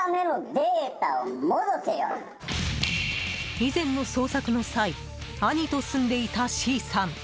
以前の捜索の際兄と住んでいたＣさん。